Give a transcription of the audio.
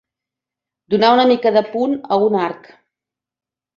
Donar una mica de punt a un arc.